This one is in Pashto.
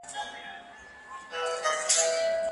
دا حالت د یوې نږدې ورکړل شوې ژمنې په څېر دی.